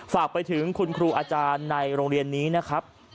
ฝากไปถึงคุณครูอาจารย์ในโรงเรียนนี้นะครับ